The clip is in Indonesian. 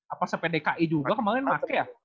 apa se pdki juga kemaren pake ya